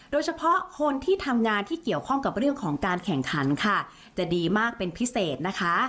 โดยเฉพาะคนที่ทำงานที่เกี่ยวข้องกับเรื่องของการแข่งขันค่ะจะดีมากเป็นพิเศษนะคะ